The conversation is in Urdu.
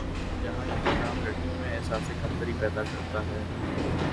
جہاں یہ نظام لڑکیوں میں احساسِ کمتری پیدا کرتا ہے